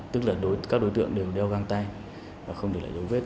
tức là đối tượng đều đeo găng tay và không để lại dấu vết